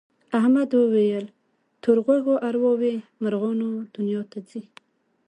احمد وویل تور غوږو ارواوې مرغانو دنیا ته ځي.